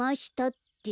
って。